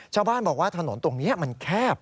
ชาวบ้านบอกว่าถนนตรงนี้มันแคบ